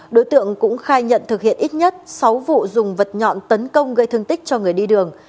đối tượng cũng khai nhận thực hiện ít nhất sáu vụ dùng vật nhọn tấn công gây thương tích cho người đi đường